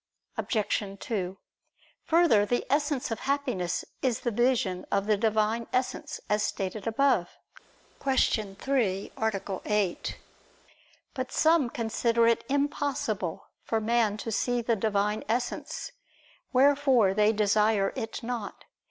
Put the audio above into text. Obj. 2: Further, the essence of Happiness is the vision of the Divine Essence, as stated above (Q. 3, A. 8). But some consider it impossible for man to see the Divine Essence; wherefore they desire it not.